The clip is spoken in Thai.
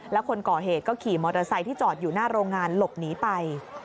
แล้วคนก่อเหตุก็ขี่มอเตอร์ไซค์ที่จอดอยู่หน้าโรงงานหลบหนีไป